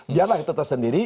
biarlah itu tersendiri